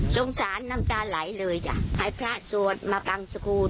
สงสารน้ำตาไหลเลยจ้ะให้พระสวดมาบังสกูล